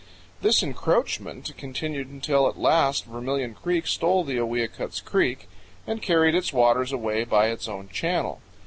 This encroachment continued until at last Vermilion Creek stole the Owiyukuts Creek and carried its waters away by its own channel.